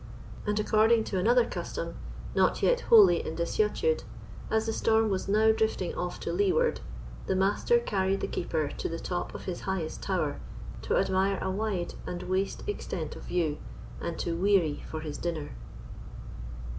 And according to another custom, not yet wholly in desuetude, as the storm was now drifting off to leeward, the Master carried the Keeper to the top of his highest tower to admire a wide and waste extent of view, and to "weary for his dinner."